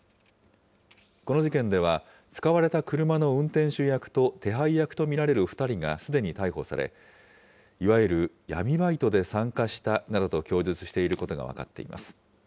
この事件では、使われた車の運転手役と手配役と見られる２人がすでに逮捕され、いわゆる闇バイトで参加したなどと供述していることが分かっています。